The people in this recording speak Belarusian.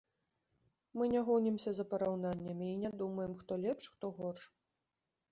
Мы не гонімся за параўнаннямі і не думаем, хто лепш, хто горш.